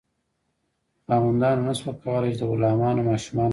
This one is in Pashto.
خاوندانو نشو کولی چې د غلامانو ماشومان وساتي.